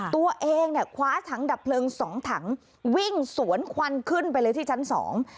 ตัวเองเนี่ยคว้าถังดับเพลิงสองถังวิ่งสวนควันขึ้นไปเลยที่ชั้นสอง